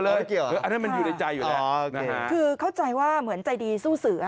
ไม่เกี่ยวเลยอันนั้นมันอยู่ในใจอยู่แหละนะฮะคือเข้าใจว่าเหมือนใจดีสู้สือ